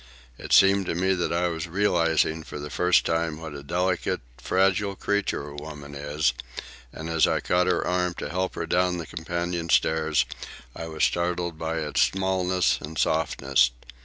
It seemed to me that I was realizing for the first time what a delicate, fragile creature a woman is; and as I caught her arm to help her down the companion stairs, I was startled by its smallness and softness.